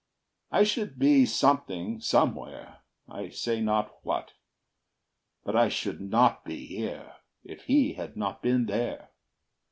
I should be something somewhere I say not what but I should not be here If he had not been there.